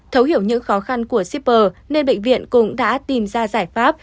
thấu hiểu những khó khăn của shipper nên bệnh viện cũng đã tìm ra giải pháp